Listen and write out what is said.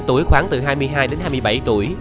tuổi khoảng từ hai mươi hai đến hai mươi bảy tuổi